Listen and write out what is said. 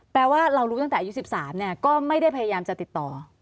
แปลว่าเรารู้ตั้งแต่อายุ๑๓เนี่ยก็ไม่ได้พยายามจะติดต่อ